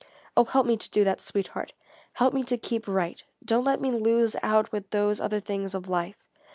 "Oh help me to do that, sweetheart! Help me to keep right! Don't let me lose out with those other things of life!"